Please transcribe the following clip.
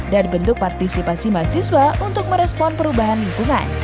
dan bentuk partisipasi mahasiswa untuk merespon perubahan lingkungan